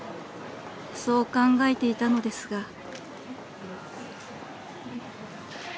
［そう考えていたのですが］